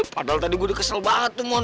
padahal tadi gue udah kesel banget mon